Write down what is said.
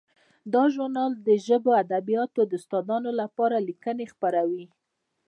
دا ژورنال د ژبو او ادبیاتو د استادانو لپاره لیکنې خپروي.